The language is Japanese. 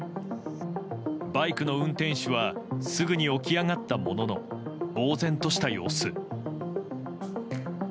バイクの運転手はすぐに起き上がったもののぼうぜんとした様子。